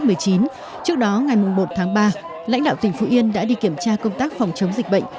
trước đó ngày một tháng ba lãnh đạo tỉnh phú yên đã đi kiểm tra công tác phòng chống dịch bệnh